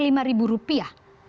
orang orang yang menurut saya